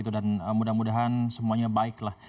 mudah mudahan semuanya baiklah